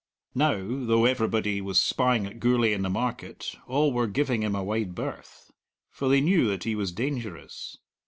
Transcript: Now, though everybody was spying at Gourlay in the market, all were giving him a wide berth; for they knew that he was dangerous.